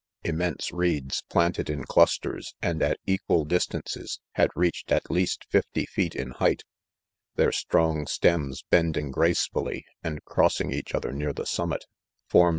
Immense reeds planted in clusters, and at equal dis tances, had reached at least fifty feet in height Their strong stems, bending gracefully, and crossing each other near the summit, former.